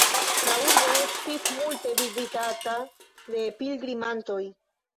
La urbo estis multe vizitata de pilgrimantoj.